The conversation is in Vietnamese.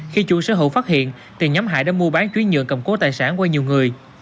khi chủ sở hữu phát hiện thì nhóm hải đã mua bán chuyên nhuận cầm cố tài sản qua nhiều người